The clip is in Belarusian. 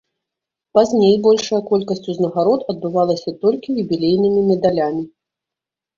Пазней большая колькасць узнагарод адбывалася толькі юбілейнымі медалямі.